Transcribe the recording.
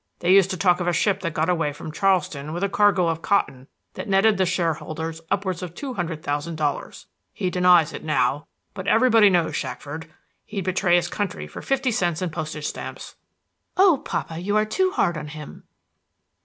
They used to talk of a ship that got away from Charleston with a cargo of cotton that netted the share holders upwards of two hundred thousand dollars. He denies it now, but everybody knows Shackford. He'd betray his country for fifty cents in postage stamps." "Oh, papa! you are too hard on him."